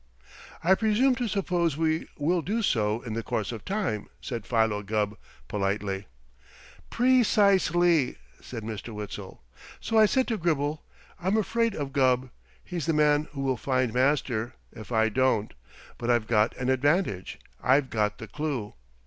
"I presume to suppose we will do so in the course of time," said Philo Gubb politely. "Pre cise ly!" said Mr. Witzel. "So I said to Gribble, 'I'm afraid of Gubb! He's the man who will find Master, if I don't. But I've got an advantage. I've got the clue.'"